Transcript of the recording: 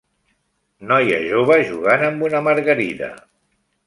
Noia jove jugant amb una margarida.